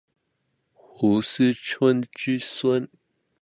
斛斯椿之孙。